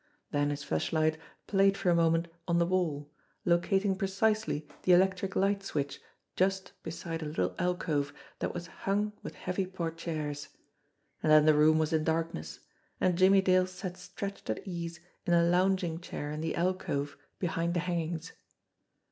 Then his flashlight played for a moment on the wall, locating precisely the electric light switch just beside a little alcove that was hung with heavy portieres; and then the room was in darkness, and Jimmie Dale sat stretched at ease in a lounging chair in the alcove behind the hangings.